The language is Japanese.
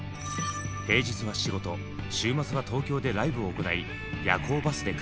平日は仕事週末は東京でライブを行い夜行バスで帰る日々。